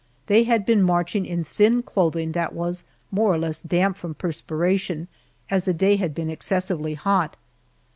They had been marching in thin clothing that was more or less damp from perspiration, as the day had been excessively hot.